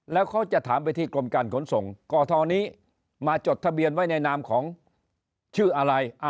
แล้วเขาจะถามไปที่กรมการขนส่งกทนี้มาจดทะเบียนไว้ในนามของชื่ออะไร